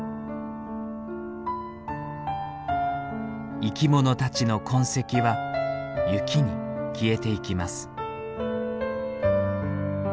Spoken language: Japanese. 生きものたちの痕跡は雪に消えていきます。